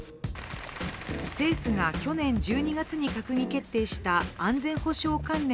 政府が去年１２月に閣議決定した安全保障関連